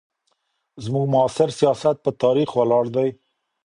زموږ معاصر سیاست په تاریخ ولاړ دی.